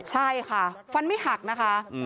ใช่ค่ะฟันไม่หักนะคะ